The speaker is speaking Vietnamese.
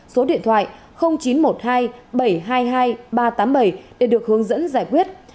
số điện thoại chín trăm một mươi hai bảy trăm hai mươi hai ba trăm tám mươi bảy để được hướng dẫn giải quyết